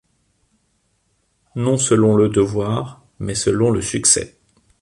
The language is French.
Non selon le devoir, mais selon le succès !